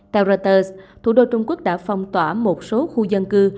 ta reuters thủ đô trung quốc đã phong tỏa một số khu dân cư